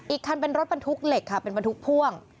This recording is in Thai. อีกคันเป็นรถบรรทุกเหล็กค่ะเป็นบรรทุกพ่วง